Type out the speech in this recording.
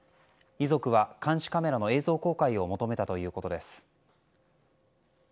遺族は監視カメラの映像公開を求めたということです。